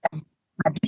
bapak bapak bapak bapak